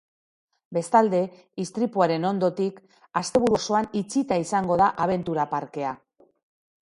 Bestalde, istripuaren ondotik, asteburu osoan itxita izango da abentura parkea.